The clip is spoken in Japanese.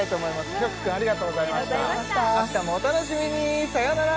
ヒョク君ありがとうございました明日もお楽しみにさよなら